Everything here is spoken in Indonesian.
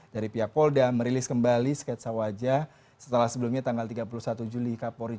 dari pihak polda merilis kembali sketsa wajah setelah sebelumnya tanggal tiga puluh satu juli kapolri